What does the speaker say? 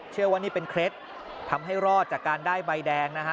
เชื่อว่านี่เป็นเคล็ดทำให้รอดจากการได้ใบแดงนะฮะ